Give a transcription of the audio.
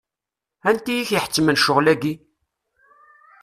Anti i k-iḥettmen ccɣel-agi?